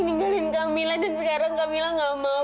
ninggalin kamila dan sekarang kamila gak mau